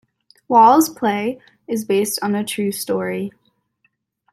Wall's play is based on a true story.